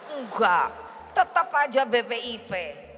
enggak tetap aja bpip